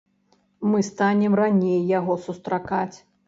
Мы станем раней яго сустракаць.